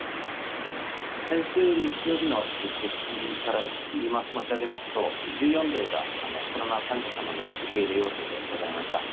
先週日曜日の実績から申し上げますと、１４例が、コロナ患者様の受け入れ要請でございました。